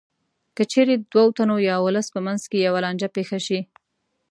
که چېرې د دوو تنو یا ولس په منځ کې یوه لانجه پېښه شي